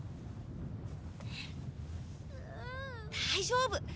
大丈夫！